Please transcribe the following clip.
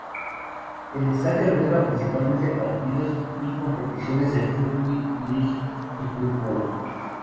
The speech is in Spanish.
El estadio alberga, principalmente, partidos y competiciones de rugby league y fútbol.